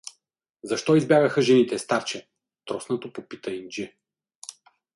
— Защо избягаха жените, старче? — троснато попита Индже.